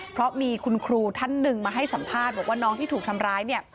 เพราะมีคุณครูท่านหนึ่งมาให้สัมภาษณ์บอกว่าน้องที่ถูกทำร้ายเนี่ย